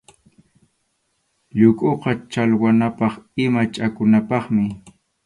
Llukuqa challwanapaq ima chakunapaqmi.